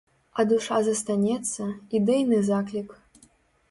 А душа застанецца, ідэйны заклік.